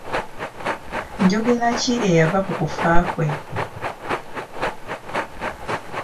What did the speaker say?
Njogera ki eyava ku kufa kwe?